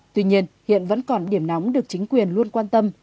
tuy nhiên hiện vẫn còn điểm nóng được chính quyền luôn quan tâm